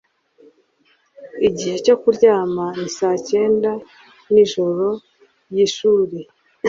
igihe cyo kuryama ni saa cyenda nijoro ryishuri